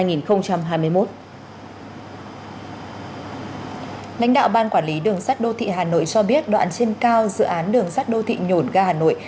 lãnh đạo ban quản lý đường sắt đô thị hà nội cho biết đoạn trên cao dự án đường sắt đô thị nhổn ga hà nội